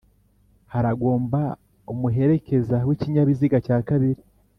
Haragomba umuherekeza w’ikinyabiziga cya kabiri